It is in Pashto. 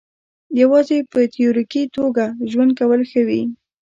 یوازې په تیوریکي توګه ژوند کول ښه وي.